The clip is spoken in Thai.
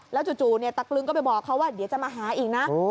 จู่ตะกลึงก็ไปบอกเขาว่าเดี๋ยวจะมาหาอีกนะ